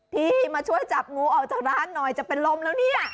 พี่มาช่วยจับงูออกจากร้านหน่อยจะเป็นลมแล้วเนี่ย